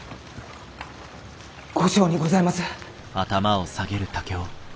後生にございます。